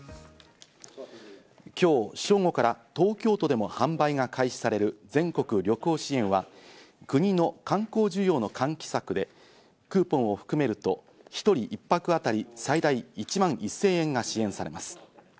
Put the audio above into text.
今日正午から東京都でも販売が開始される全国旅行支援は国の観光需要の喚起策で、クーポンを含めると１人一泊あたり最大１万１０００円が支援されます。